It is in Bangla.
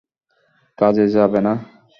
কাজে যাবে না?